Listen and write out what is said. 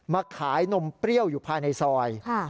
มาขายนมเปรี้ยวอยู่ภายในซอย